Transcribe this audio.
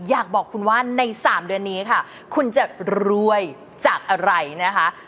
อยากบอกคุณว่าใน๓เดือนนี้ค่ะคุณจะรวยจากอะไรนะคะ